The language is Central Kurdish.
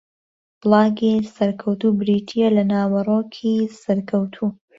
بڵاگی سەرکەوتوو بریتییە لە ناوەڕۆکی سەرکەوتوو